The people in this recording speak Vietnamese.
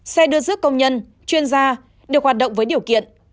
xe đưa rước công nhân chuyên gia được hoạt động với điều kiện